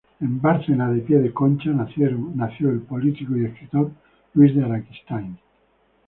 En Bárcena de Pie de Concha nacieron el político y escritor Luis de Araquistáin.